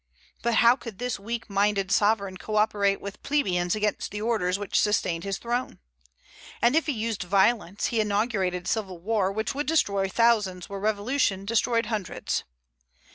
But how could this weak minded sovereign co operate with plebeians against the orders which sustained his throne? And if he used violence, he inaugurated civil war, which would destroy thousands where revolution destroyed hundreds.